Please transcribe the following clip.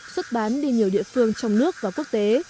xuất bán đi nhiều địa phương trong nước và quốc tế